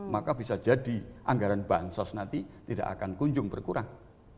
maka bisa jadi anggaran bansos nanti tidak akan kunjung berkurang